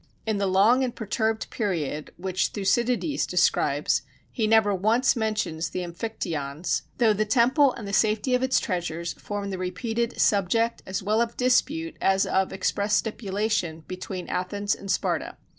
In the long and perturbed period which Thucydides describes, he never once mentions the Amphictyons, though the temple and the safety of its treasures form the repeated subject as well of dispute as of express stipulation between Athens and Sparta.